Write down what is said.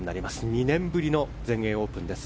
２年ぶりの全英オープンです。